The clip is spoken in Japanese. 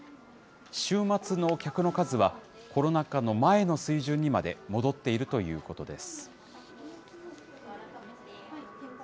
週末の客の数は、コロナ禍の前の水準にまで戻っているということです。